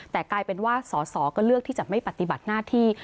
แต่กลายเป็นว่าสอสอก็เลือกที่จะไม่ปฏิบัติหน้าที่